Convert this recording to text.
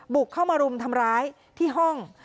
บุกเข้ามารุมทำร้ายที่ห้อง